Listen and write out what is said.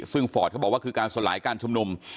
ซึ่งฟอร์ตเขาบอกว่าคือการสลายการชุมนุม